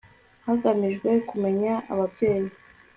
hagamijwe kumenya ababyeyi